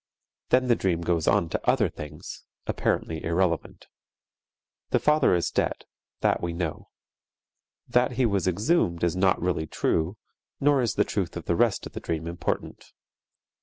_" Then the dream goes on to other things, apparently irrelevant. The father is dead, that we know. That he was exhumed is not really true, nor is the truth of the rest of the dream important.